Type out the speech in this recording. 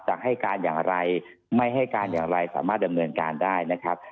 จะให้การอย่างไรไม่ให้การอย่างไรสามารถดำเนินการได้นะครับ